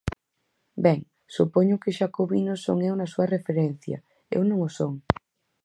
Ben, supoño que o xacobino son eu na súa referencia, eu non o son.